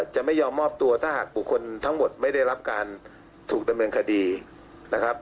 จะไม่ยอมมอบตัวถ้าหากบุคคลทั้งหมดไม่ได้รับการถูกดำเนินคดีนะครับ